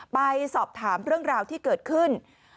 ไปสอบถามเรื่องราวที่เกิดขึ้น